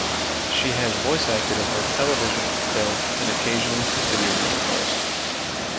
She has voice acted in both television, film and occasionally video game roles.